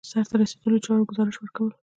د سرته رسیدلو چارو ګزارش ورکول.